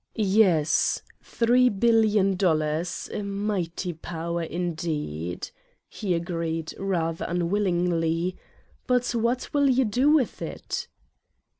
"Yes, three billion dollars, a mighty power, indeed, " he agreed, rather unwillingly "but what will you do with it!"